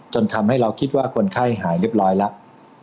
จนทำให้เราคิดว่าคนไข้หายเรียบร้อยแล้ว